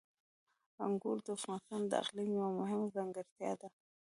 انګور د افغانستان د اقلیم یوه مهمه ځانګړتیا ده.